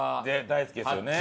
大好きですよね。